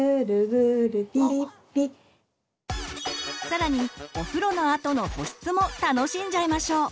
更にお風呂のあとの保湿も楽しんじゃいましょう！